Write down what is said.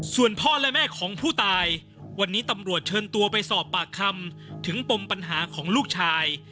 ส่วนพ่อและแม่ของผู้ตายวันนี้ตำรวจเชิญตัวไปสอบปากคำถึงปมปัญหาของลูกชาย